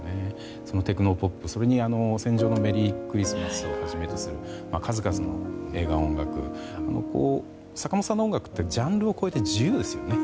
そのテクノポップ、それに「戦場のメリークリスマス」をはじめとする数々の映画音楽坂本さんの音楽ってジャンルを超えて自由ですよね。